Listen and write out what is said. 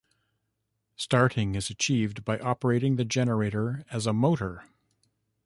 Starting is achieved by operating the generator as a motor.